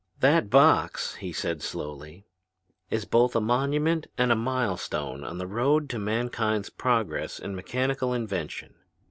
"That box," he said slowly, "is both a monument and a milestone on the road to mankind's progress in mechanical invention.